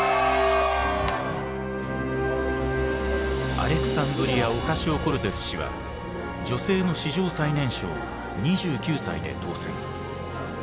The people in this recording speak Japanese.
アレクサンドリア・オカシオ＝コルテス氏は女性の史上最年少２９歳で当選。